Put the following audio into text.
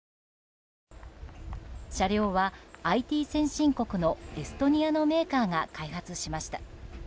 車両はＩＴ先進国のエストニアのメーカーが開発しました。